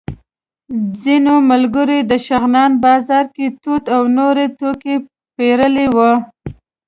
ځینو ملګرو د شغنان بازار کې توت او نور توکي پېرلي وو.